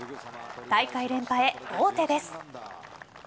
大会連覇へ王手です。